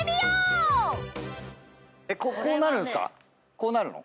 こうなるの？